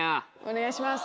お願いします。